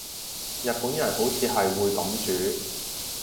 日本人好似係會噉煮